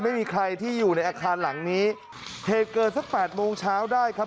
ไม่มีใครที่อยู่ในอาคารหลังนี้เหตุเกิดสักแปดโมงเช้าได้ครับ